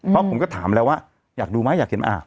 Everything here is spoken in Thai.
เพราะผมก็ถามแล้วว่าอยากดูไหมอยากเห็น